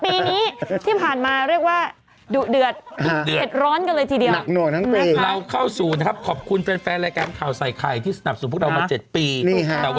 ปีนี้ที่ผ่านมาเรียกว่าดุเดือดเด็ดร้อนกันเลยทีเดียว